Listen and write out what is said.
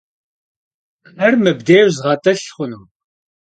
Mır mıbdêjj zğet'ılh xhunu?